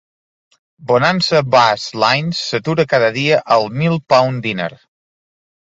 Bonanza Bus Lines s'atura cada dia al Mill Pond Diner.